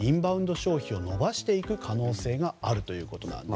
消費を伸ばしていく可能性があるということなんです。